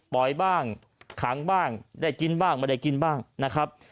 บ้างขังบ้างได้กินบ้างไม่ได้กินบ้างนะครับ